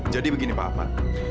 jadi begini pak ahmad